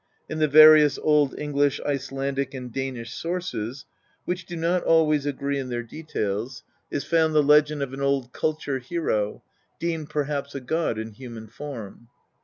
In the various Old English, Ice landic, and Danish sources, which do not always agree in their details, INTRODUCTION. is found the legend of an old culture hero, deemed perhaps a god in human form.